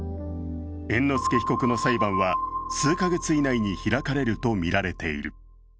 猿之助被告の裁判は数か月以内に開かれるとみられている。